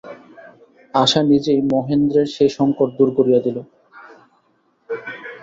আশা নিজেই মহেন্দ্রের সে সংকট দূর করিয়া দিল।